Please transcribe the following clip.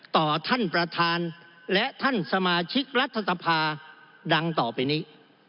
ต่อท่านประธานและท่านสมาชิกรัฐสภาดังต่อไปนี้